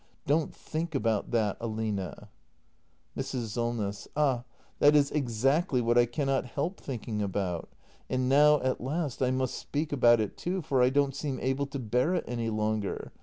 ] Don't think about that, Aline! Mrs. Solness. Ah, that is exactly what I cannot help thinking about. And now, at last, I must speak about it, too; for I don't seem able to bear it any longer.